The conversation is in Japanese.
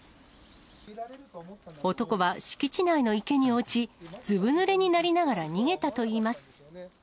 男は敷地内の池に落ち、ずぶぬれになりながら逃げたといいます。